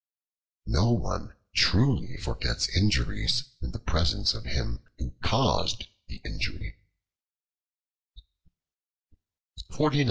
No one truly forgets injuries in the presence of him who caused the injury.